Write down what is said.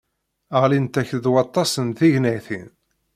Ɣlint-ak-d waṭas n tegnatin.